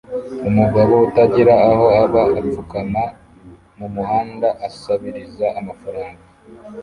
Umugabo utagira aho aba apfukama mumuhanda asabiriza amafaranga